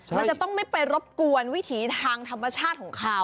มันจะต้องไม่ไปรบกวนวิถีทางธรรมชาติของเขา